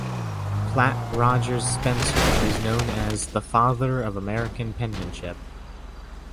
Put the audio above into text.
Platt Rogers Spencer is known as the "Father of American Penmanship".